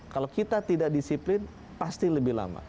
kalau kita tidak disiplin pasti lebih lama